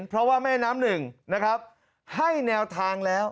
เพราะว่าแม่น้ำหนึ่งนะครับให้แนวทางแล้ว